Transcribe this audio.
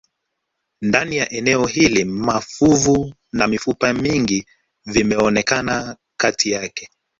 Ndani ya eneo hili mafuvu na mifupa mingi vimeonekana kati yake